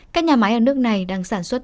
các nhà máy ở nước này đang sản xuất